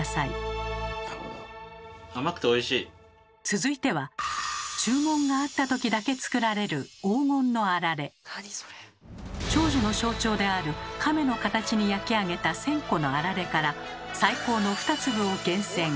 続いては注文があった時だけ作られる長寿の象徴である亀の形に焼き上げた１，０００個のあられから最高の２粒を厳選。